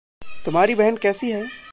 तुम्हारी बहन कैसी है?